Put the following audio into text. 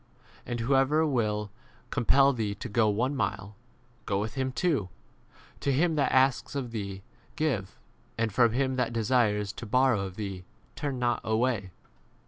And whoever will compel thee to go one mile, go with 42 him two. To him that asks of thee give, and from him that desires to borrow of thee turn not away.